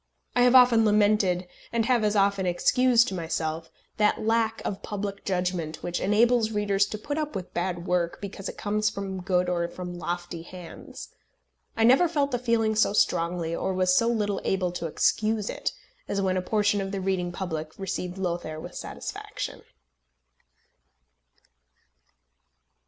I have often lamented, and have as often excused to myself, that lack of public judgment which enables readers to put up with bad work because it comes from good or from lofty hands. I never felt the feeling so strongly, or was so little able to excuse it, as when a portion of the reading public received Lothair with satisfaction.